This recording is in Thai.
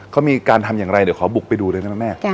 เขามีการทำอย่างไรเดี๋ยวขอบุกไปดูเลยได้ไหมแม่